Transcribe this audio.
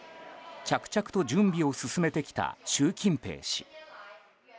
着々と準備を進めてきた習近平氏。